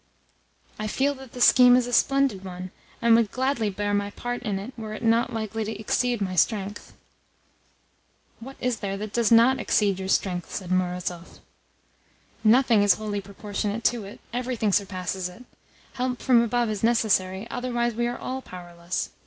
"I feel that the scheme is a splendid one, and would gladly bear my part in it were it not likely to exceed my strength." "What is there that does NOT exceed your strength?" said Murazov. "Nothing is wholly proportionate to it everything surpasses it. Help from above is necessary: otherwise we are all powerless.